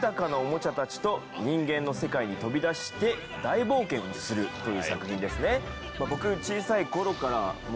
バズ・ライトイヤーなど個性豊かなおもちゃたちと人間の世界に飛び出して大冒険をするという作品ですね。